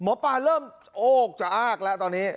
หมอปลาเริ่มโอกจะอ้ากแล้วตอนนี้